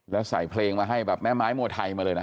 แล้วใส่เพลงมาให้แบบแม่ไม้มวยไทยมาเลยนะ